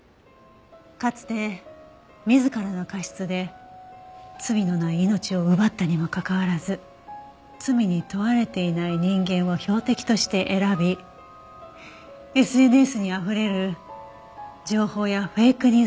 かつて自らの過失で罪のない命を奪ったにもかかわらず罪に問われていない人間を標的として選びＳＮＳにあふれる情報やフェイク